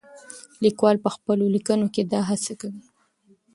لیکوال په خپلو لیکنو کې دا هڅه کوي.